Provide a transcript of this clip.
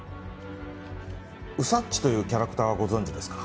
ウサっチというキャラクターをご存じですか？